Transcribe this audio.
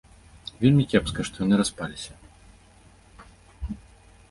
Вельмі кепска, што яны распаліся.